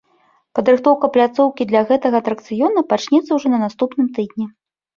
Падрыхтоўка пляцоўкі для гэтага атракцыёна пачнецца ўжо на наступным тыдні.